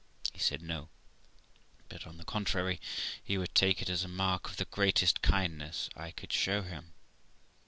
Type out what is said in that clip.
He said no ; but, on the contrary, he would take it as a mark of the greatest kindness I could show him.